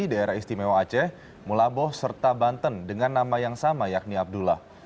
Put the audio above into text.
daerah istimewa aceh mulaboh serta banten dengan nama yang sama yakni abdullah